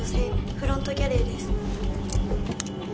フロントギャレーです。